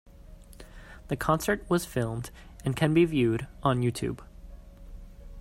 The concert was filmed and can be viewed on YouTube.